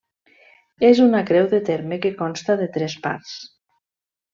És una creu de terme que consta de tres parts.